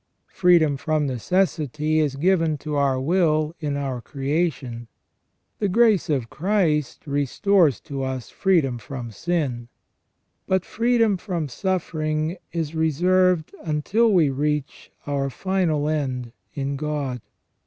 Freedom from necessity is given to our will in our creation ; the grace of Christ restores us to freedom from sin ; but freedom from suffering is reserved until we reach our final end in God.